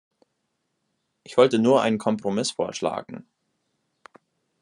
Ich wollte nur einen Kompromiss vorschlagen.